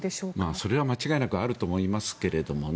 それは間違いなくあると思いますけれどもね。